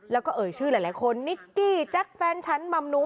แล้วก็เอ่ยชื่อหลายคนนิกกี้แจ็คแฟนฉันมำนู